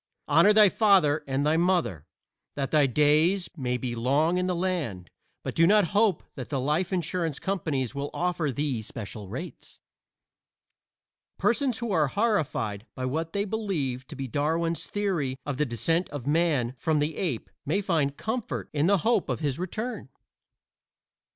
Honor thy father and thy mother that thy days may be long in the land, but do not hope that the life insurance companies will offer thee special rates. Persons who are horrified by what they believe to be Darwin's theory of the descent of Man from the Ape may find comfort in the hope of his return.